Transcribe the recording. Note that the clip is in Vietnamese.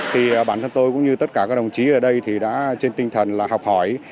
thì bản thân tôi cũng như tất cả các đồng chí ở đây thì đã trên tinh thần là học hỏi